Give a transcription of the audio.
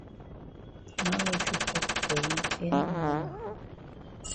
Man no fit tok for yi any how now.